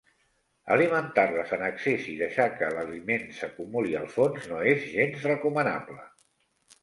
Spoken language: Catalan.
Alimentar-les en excés i deixar que l'aliment s'acumuli al fons no és gens recomanable.